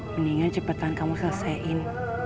mendingan cepetan kamu selesain